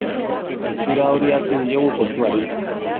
Itxura hori hartu diogu kontuari.